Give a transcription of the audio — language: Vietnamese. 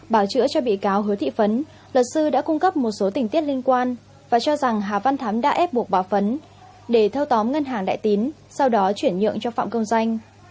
bảo chữa cho bị cáo hứa thị phấn luật sư đã cung cấp một số tình tiết liên quan và cho rằng hà văn thắm đã ép buộc bà phấn để thâu tóm ngân hàng đại tín sau đó chuyển nhượng cho phạm công danh